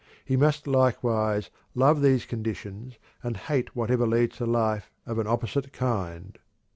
He must likewise love these conditions and hate whatever leads to life of an opposite kind.